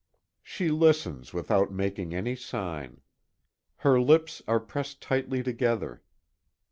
She listens without making any sign. Her lips are pressed tightly together.